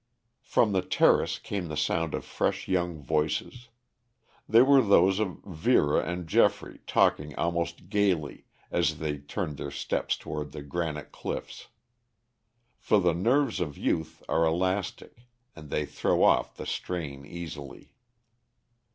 From the terrace came the sound of fresh young voices. They were those of Vera and Geoffrey talking almost gaily as they turned their steps toward the granite cliffs. For the nerves of youth are elastic and they throw off the strain easily.